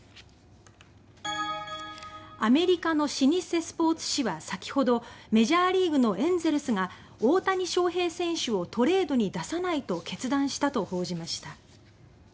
アメリカの老舗スポーツ誌は先ほどメジャーリーグのエンゼルスが「大谷翔平選手をトレードに出さない」と決断したと報じました。